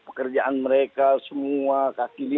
pekerjaan mereka semua kak kili